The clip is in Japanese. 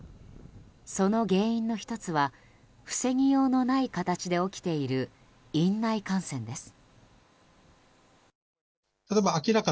その原因の１つは防ぎようのない形で起きている院内感染です。